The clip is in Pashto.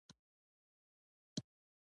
هیلې مې د فراق په خاوره کې ښخې شوې.